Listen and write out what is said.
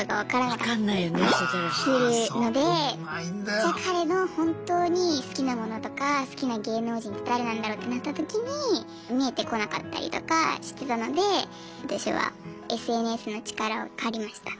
じゃあ彼の本当に好きなものとか好きな芸能人って誰なんだろうってなったときに見えてこなかったりとかしてたので私はＳＮＳの力を借りました。